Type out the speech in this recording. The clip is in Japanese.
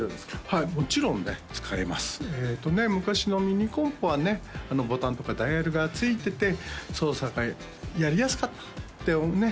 はいもちろんね使えます昔のミニコンポはねボタンとかダイヤルが付いてて操作がやりやすかったってね